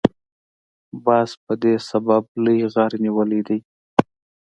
باز په دې سبب لوی غر نیولی دی.